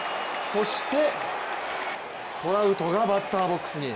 そしてトラウトがバッターボックスに。